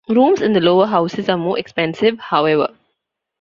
Rooms in the Lower Houses are more expensive, however.